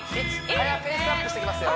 ペースアップしていきますよ